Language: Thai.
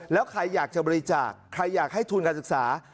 แล้วใครอยากจะบริจาคใครอยากให้ทุนการศึกษา